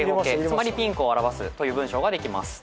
つまりピンクを表すという文章ができます。